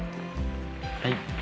はい。